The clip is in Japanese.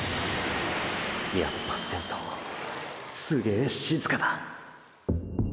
やっぱ先頭すげぇ静かだ！